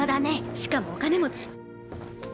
しかもお金持ち。